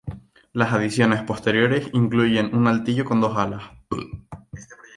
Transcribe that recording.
Las adiciones posteriores incluyen un altillo con dos alas.